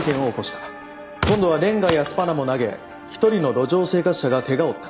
今度はれんがやスパナも投げ１人の路上生活者がケガを負った。